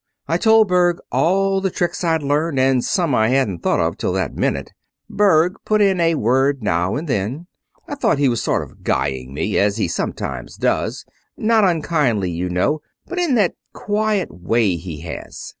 I told Berg all the tricks I'd learned, and some I hadn't thought of till that minute. Berg put in a word now and then. I thought he was sort of guying me, as he sometimes does not unkindly, you know, but in that quiet way he has.